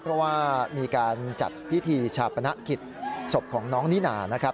เพราะว่ามีการจัดพิธีชาปนกิจศพของน้องนิน่านะครับ